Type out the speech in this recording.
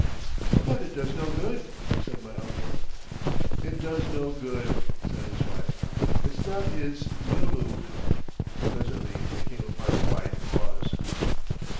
"But it does no good," said my uncle. "It does no good," said his wife. "It's not his miloo..." Presently they came upon a wide pause.